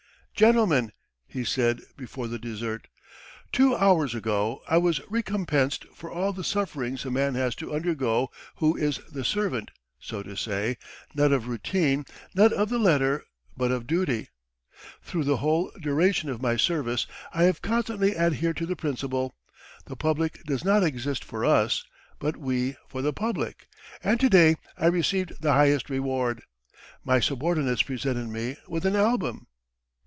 "Gentlemen!" he said before the dessert, "two hours ago I was recompensed for all the sufferings a man has to undergo who is the servant, so to say, not of routine, not of the letter, but of duty! Through the whole duration of my service I have constantly adhered to the principle; the public does not exist for us, but we for the public, and to day I received the highest reward! My subordinates presented me with an album